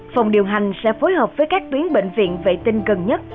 phòng điều hành sẽ phối hợp với các tuyến bệnh viện vệ tinh gần nhất